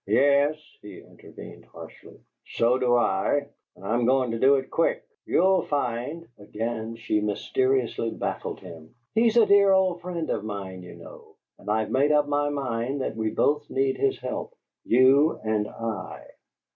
"Yes," he intervened, harshly. "So do I, and I'm going to do it quick! You'll find " Again she mysteriously baffled him. "He's a dear old friend of mine, you know, and I have made up my mind that we both need his help, you and I."